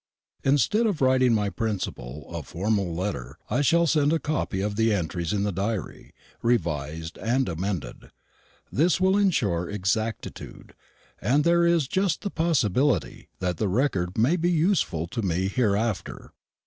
Instead of writing my principal a formal letter, I shall send a copy of the entries in the diary, revised and amended. This will insure exactitude; and there is just the possibility that the record may be useful to me hereafter.